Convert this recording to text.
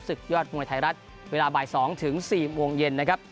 ยอดมวยไทยรัฐเวลาบ่าย๒ถึง๔โมงเย็นนะครับ